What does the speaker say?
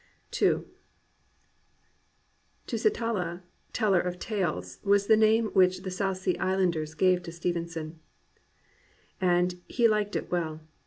II Tusitala,— " Teller of Tales,"— ^as the name which the South Sea Islanders gave to Stevenson; and he liked it well.